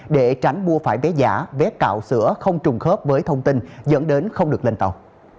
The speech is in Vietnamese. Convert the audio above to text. để tránh mua phải vé giả vé cạo sữa không trùng khớp với thông tin dẫn đến không được lên tàu